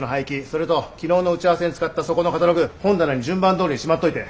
それと昨日の打ち合わせに使ったそこのカタログ本棚に順番どおりにしまっといて。